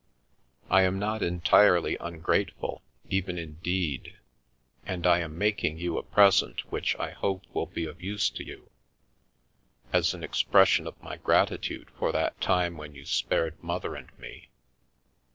I am not entirely ungrateful, even in deed, and I am making you a present, which I hope will be of use to you, as an ex pression of my gratitude for that time when you spared mother and me.